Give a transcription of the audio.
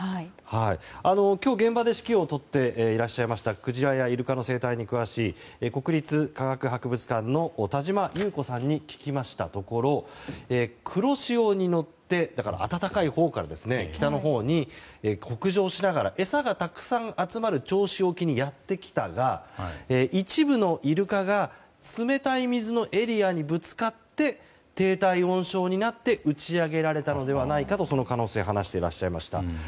今日、現場で指揮を執っていらっしゃいましたクジラやイルカの生態に詳しい国立科学博物館の田島木綿子さんに聞きましたところ黒潮に乗って暖かいほうから北のほうに北上しながら餌がたくさん集まる銚子沖にやってきたが一部のイルカが冷たい水のエリアにぶつかって低体温症になって打ち揚げられたのではないかとその可能性を話していらっしゃいました。